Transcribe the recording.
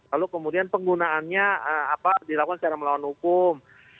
lalu kemudian penggunaannya dilakukan secara melawan hukum